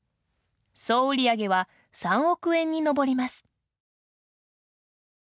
総売り上げは３億円に上ります。